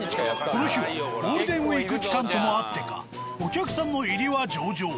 この日はゴールデンウイーク期間ともあってかお客さんの入りは上々。